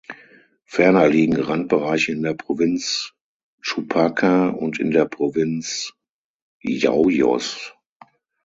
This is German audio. Ferner liegen Randbereiche in der Provinz Chupaca und in der Provinz Yauyos.